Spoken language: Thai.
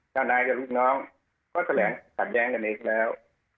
ทนายกับลูกน้องก็แถลงขัดแย้งกันเองแล้ว